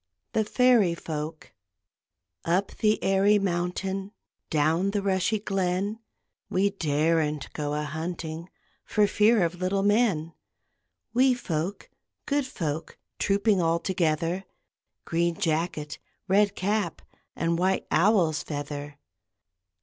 THE FAIRY FOLK Up the airy mountain, Down the rushy glen, We daren't go a hunting For fear of little men; Wee folk, good folk, Trooping all together; Green jacket, red cap, And white owl's feather!